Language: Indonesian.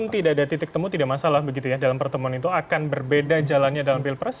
tidak ada titik temu tidak masalah begitu ya dalam pertemuan itu akan berbeda jalannya dalam pilpres